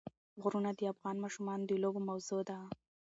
غرونه د افغان ماشومانو د لوبو موضوع ده.